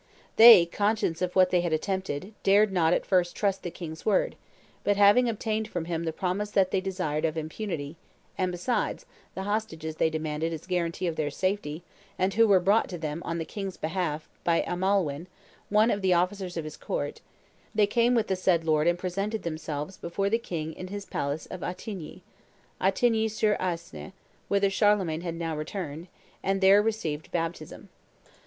They, conscious of what they had attempted, dared not at first trust to the king's word; but having obtained from him the promise they desired of impunity, and, besides, the hostages they demanded as guarantee of their safety, and who were brought to them, on the king's behalf, by Amalwin, one of the officers of his court, they came with the said lord and presented themselves before the king in his palace of Attigny [Attigny sur Aisne, whither Charlemagne had now returned] and there received baptism."